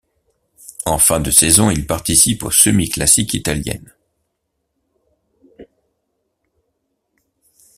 En fin de saison, il participe aux semi-classiques italiennes.